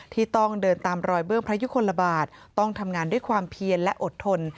ที่ต้องเดินตามรอยเบื้องพระยุคลบาทต้องทำงานด้วยความเพียนและอดทน